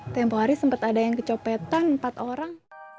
tempoh hari sempat ada yang kecopetan empat orang